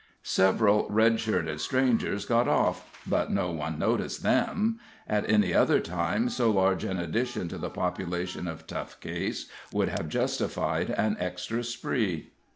Several red shirted strangers got off, but no one noticed them; at any other time, so large an addition to the population of Tough Case would have justified an extra spree.